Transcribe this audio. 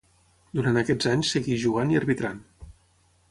Durant aquests anys segueix jugant i arbitrant.